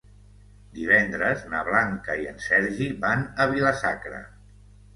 Divendres na Blanca i en Sergi van a Vila-sacra.